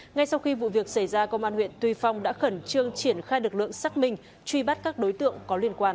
ngay sau khi vụ việc xảy ra công an huyện tuy phong đã khẩn trương triển khai lực lượng xác minh truy bắt các đối tượng có liên quan